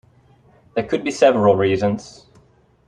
There could be several reasons.